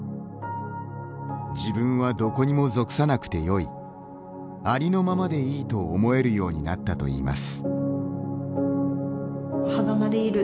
自分は、どこにも属さなくてよいありのままでいいと思えるようになったといいます。